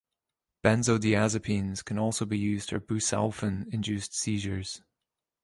Benzodiazepines can also be used for busulfan-induced seizures.